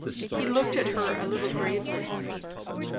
He looked at her a little gravely.